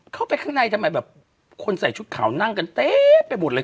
เข้าไปข้างในทำไมแบบคนใส่ชุดขาวนั่งกันเต๊ะไปหมดเลย